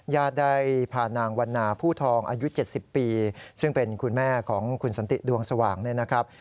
ญาติได้พานางวันนาผู้ทองอายุ๗๐ปีซึ่งเป็นคุณแม่ของคุณสันติดวงสว่างเนี่ยนะครับ